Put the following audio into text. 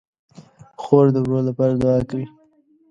خور د ورور لپاره دعا کوي.